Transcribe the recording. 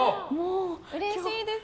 うれしいです。